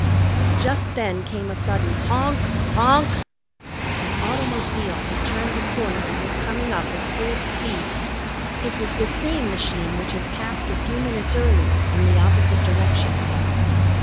Just then came a sudden "Honk, honk!" An automobile had turned the corner and was coming up at full speed. It was the same machine which had passed a few minutes earlier in the opposite direction.